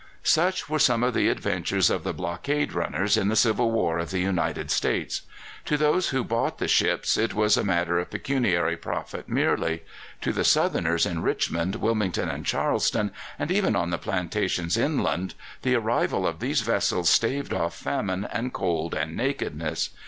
Such were some of the adventures of the blockade runners in the Civil War of the United States. To those who bought the ships it was a matter of pecuniary profit merely; to the Southerners in Richmond, Wilmington, and Charleston, and even on the plantations inland, the arrival of these vessels staved off famine and cold and nakedness.